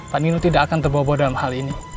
pak nino tidak akan terbawa bawa dalam hal ini